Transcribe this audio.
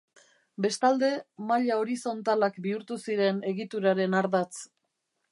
Bestalde, maila horizontalak bihurtu ziren egituraren ardatz.